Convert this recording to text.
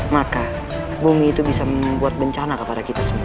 maka bumi itu bisa membuat bencana kepada kita semua